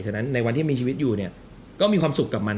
ฉะนั้นในวันที่มีชีวิตอยู่เนี่ยก็มีความสุขกับมัน